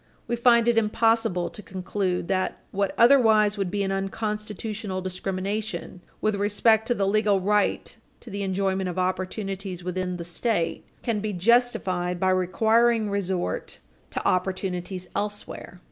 We find it impossible to conclude that what otherwise would be an unconstitutional discrimination, with respect to the legal right to the enjoyment of opportunities within the State, can be justified by requiring resort to opportunities elsewhere.